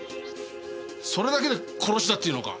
それだけで殺しだって言うのか？